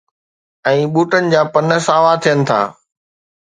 ۽ ٻوٽن جا پن ساوا ٿين ٿا